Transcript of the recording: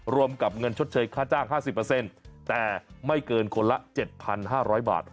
รวมกับเงินชดเชยค่าจ้าง๕๐แต่ไม่เกินคนละ๗๕๐๐บาท